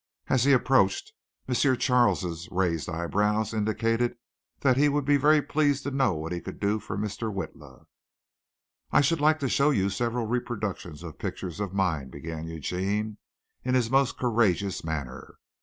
As he approached, M. Charles' raised eyebrows indicated that he would be very pleased to know what he could do for Mr. Witla. "I should like to show you several reproductions of pictures of mine," began Eugene in his most courageous manner.